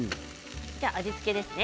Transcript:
味付けですね。